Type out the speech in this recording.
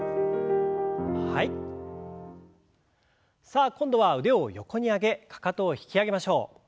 さあ今度は腕を横に上げかかとを引き上げましょう。